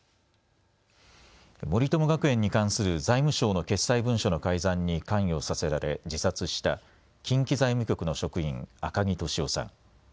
森友学園に関する財務省の決裁文書の改ざんに関与させられ自殺した近畿財務局の職員、赤木俊夫さん。